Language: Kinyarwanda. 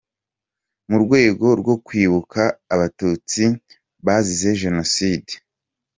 mu rwego rwo kwibuka Abatutsi bazize Jenoside.